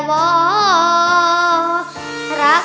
รักกันเพราะที่อยากรัก